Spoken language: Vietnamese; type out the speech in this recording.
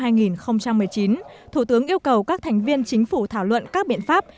năm hai nghìn một mươi chín thủ tướng yêu cầu các thành viên chính phủ thảo luận các biện pháp